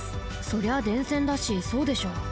そりゃ電線だしそうでしょ。